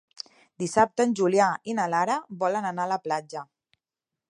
Dissabte en Julià i na Lara volen anar a la platja.